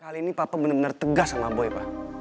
kali ini papa bener bener tegas sama boy pak